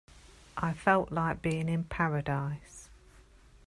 I felt like being in paradise.